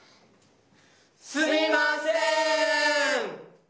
すみません。